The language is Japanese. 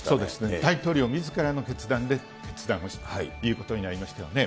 大統領みずからの決断で決断をしたということになりましたよね。